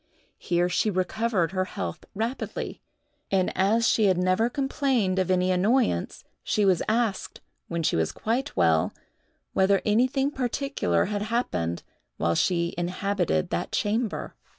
Here she recovered her health rapidly; and as she had never complained of any annoyance, she was asked, when she was quite well, whether anything particular had happened while she inhabited that chamber.